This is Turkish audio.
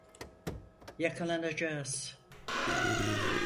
Yakalanacağız.